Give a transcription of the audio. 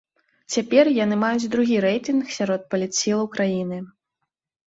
Цяпер яны маюць другі рэйтынг сярод палітсілаў краіны.